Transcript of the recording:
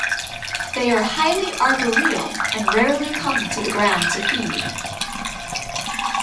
They are highly arboreal and rarely come to the ground to feed.